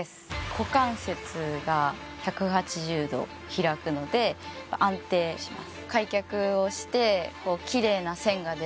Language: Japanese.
股関節が、１８０度開くので安定します。